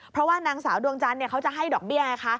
เพราะว่านางสาวดวงจันทร์เขาจะให้ดอกเบี้ยไงคะ